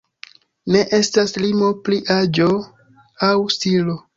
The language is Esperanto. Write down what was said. Ne estas limo pri aĝo aŭ stilo.